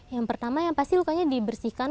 yang pertama yang pasti lukanya dibersihkan